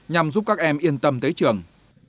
nhằm giúp các em yên tâm tới trường